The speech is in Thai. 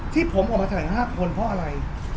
ที่ผมออกมาถ่าย๕คนเพราะอะไร